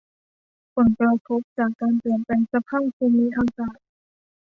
ผลกระทบจากการเปลี่ยนแปลงสภาพภูมิอากาศ